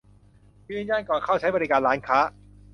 ยืนยันก่อนเข้าใช้บริการร้านค้า